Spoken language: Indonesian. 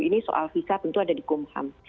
ini soal visa tentu ada di kumham